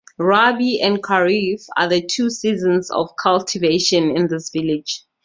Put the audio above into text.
Rabi and kharif are the two seasons of cultivation in this village.